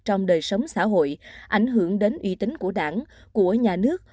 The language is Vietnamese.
trong đời sống xã hội ảnh hưởng đến uy tín của đảng của nhà nước